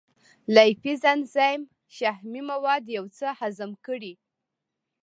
لایپیز انزایم شحمي مواد یو څه هضم کړي.